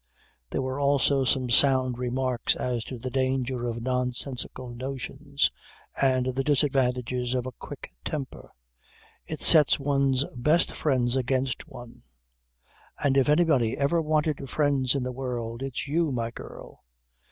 There were also some sound remarks as to the danger of nonsensical notions and the disadvantages of a quick temper. It sets one's best friends against one. "And if anybody ever wanted friends in the world it's you, my girl."